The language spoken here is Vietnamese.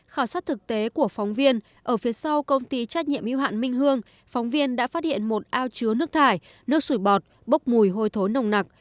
khảo sát thực tế của phóng viên ở phía sau công ty trách nhiệm yêu hạn minh hương phóng viên đã phát hiện một ao chứa nước thải nước sủi bọt bốc mùi hôi thối nồng nặc